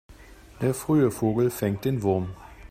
Der frühe Vogel fängt den Wurm.